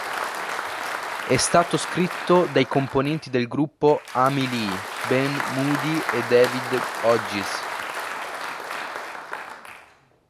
È stato scritto dai componenti del gruppo Amy Lee, Ben Moody e David Hodges.